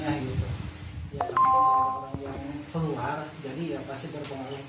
yang keluar jadi yang pasti berpengaruh